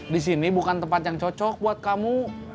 di sini bukan tempat yang cocok buat kamu